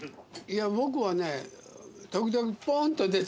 いや僕はね。